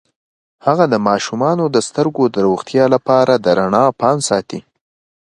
هغه د ماشومانو د سترګو د روغتیا لپاره د رڼا پام ساتي.